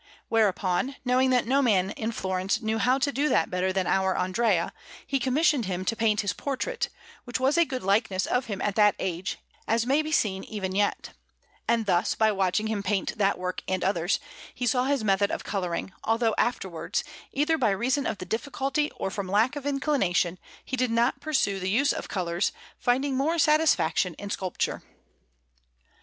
Whereupon, knowing that no man in Florence knew how to do that better than our Andrea, he commissioned him to paint his portrait, which was a good likeness of him at that age, as may be seen even yet; and thus, by watching him paint that work and others, he saw his method of colouring, although afterwards, either by reason of the difficulty or from lack of inclination, he did not pursue the use of colours, finding more satisfaction in sculpture.